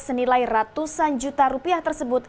senilai ratusan juta rupiah tersebut